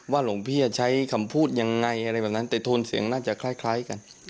หลวงพี่จะใช้คำพูดยังไงอะไรแบบนั้นแต่โทนเสียงน่าจะคล้ายกัน